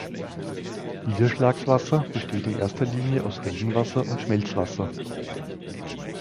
Niederschlagswasser besteht in erster Linie aus Regenwasser und Schmelzwasser.